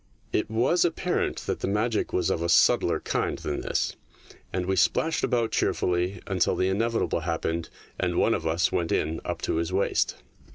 It was apparent that the magic was of a subtler kind than this, and we splashed about cheer fully until the inevitable happened and one of us went in up to his waist.